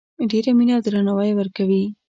ډیره مینه او درناوی ورکوي